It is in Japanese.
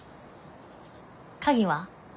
鍵は？